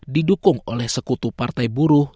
didukung oleh sekutu partai buruh